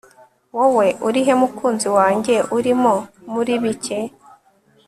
Wowe urihe mukunzi wanjye Urimo muri bike